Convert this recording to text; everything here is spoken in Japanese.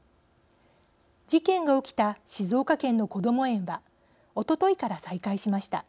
事件が起きた静岡県のこども園はおとといから再開しました。